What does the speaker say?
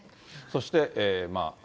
そして。